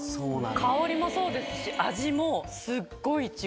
香りもそうですし味もすっごいいちご。